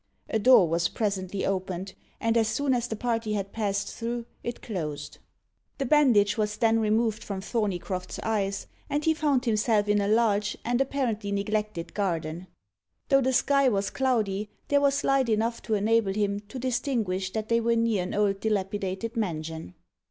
A door was presently opened, and as soon as the party had passed through, it closed. The bandage was then removed from Thorneycroft's eyes, and he found himself in a large and apparently neglected garden. Though the sky was cloudy, there was light enough to enable him to distinguish that they were near an old dilapidated mansion.